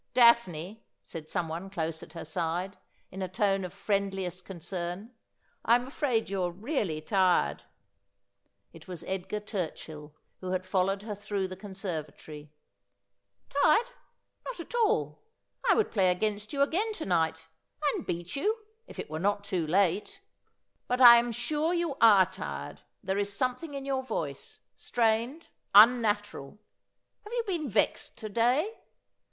' Daphne,' said someone close at her side, in a tone of friend liest concern, 'I'm afraid you're really tired.' It was Edgar Turchill, who had followed her through the conservatory. ' Tired ! l\ot at all. I would play against you again to night — and beat you — if it were not too late.' 'Yeve Me my Deth, or that I have a Shame.'' 131 ' But I am sure you are tired ; there is a something in your voice — strained, unnatural. Have you been vexed to day?